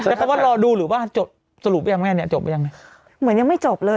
แต่เขาว่ารอดูหรือว่าจบสรุปยังไงเนี่ยจบยังไงเหมือนยังไม่จบเลย